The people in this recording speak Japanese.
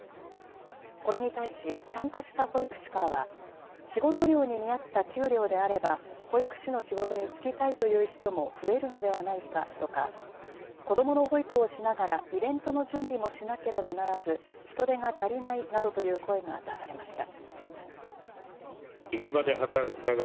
これに対し参加した保育士からは仕事量に見合った給料であれば保育士の仕事に就きたいという人も増えるのではないかとか子どもの保育をしながらイベントの準備もしなければならず、人手が足りないなどという声が出されました。